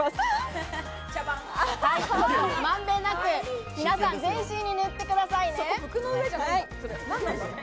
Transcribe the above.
まんべんなく、皆さん、全身に塗ってくださいね。